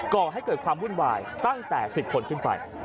ก่อให้เกิดความวุ่นวายตั้งแต่๑๐คนขึ้นไป